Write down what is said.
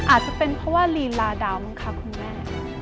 อาจจะเป็นเพราะว่าลีลาดาวมั้งคะคุณแม่